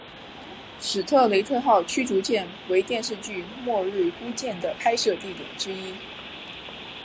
史特雷特号驱逐舰为电视剧末日孤舰的拍摄地点之一